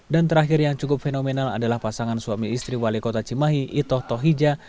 terakhir yang cukup fenomenal adalah pasangan suami istri wali kota cimahi itoh tohija